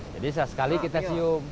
jadi sesekali kita cium